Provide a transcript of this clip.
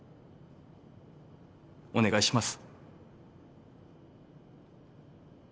お願いします。